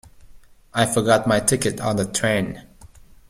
I forgot my ticket on the train.